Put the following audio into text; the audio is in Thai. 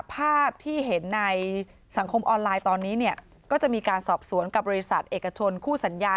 ภาพที่เห็นในสังคมออนไลน์ตอนนี้เนี่ยก็จะมีการสอบสวนกับบริษัทเอกชนคู่สัญญา